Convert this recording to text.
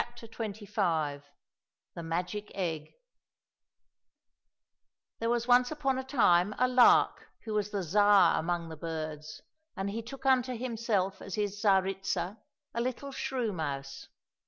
235 THE MAGIC EGG THE MAGIC EGG THERE was once upon a time a lark who was the Tsar among the birds, and he took unto himself as his Tsaritsa a little shrew mouse.